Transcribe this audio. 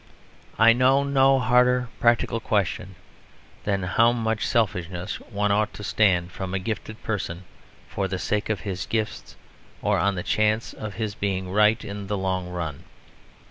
"I know no harder practical question than how much selfishness one ought to stand from a gifted person for the sake of his gifts or on the chance of his being right in the long run.